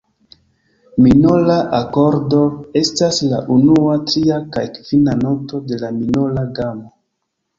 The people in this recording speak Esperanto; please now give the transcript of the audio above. Minora akordo estas la unua, tria kaj kvina noto de la minora gamo.